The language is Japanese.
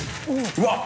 うわっ！